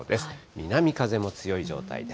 南風も強い状態。